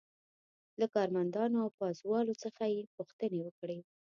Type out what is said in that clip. له کارمندانو او پازوالو څخه یې پوښتنې وکړې.